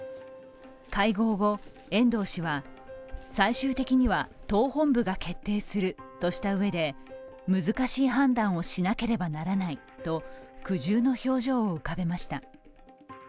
会合後、遠藤氏は、最終的には党本部が決定するとしたうえで難しい判断をしなければならないと苦渋の表情を浮かべました。